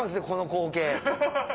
この光景。